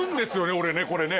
俺ねこれね？